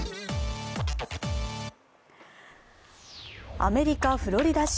アメリカ・フロリダ州。